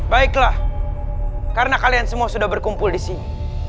baiklah karena kalian semua sudah berkumpul di sini